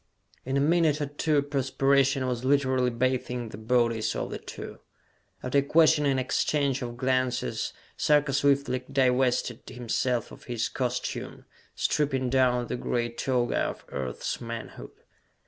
In a minute or two, perspiration was literally bathing the bodies of the two. After a questioning exchange of glances, Sarka swiftly divested himself of his costume, stripping down to the gray toga of Earth's manhood.